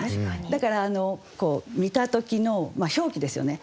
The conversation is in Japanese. だから見た時の表記ですよね。